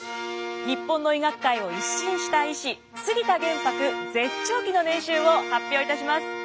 日本の医学界を一新した医師杉田玄白絶頂期の年収を発表いたします！